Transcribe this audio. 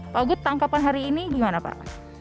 pak gup tangkapan hari ini gimana pak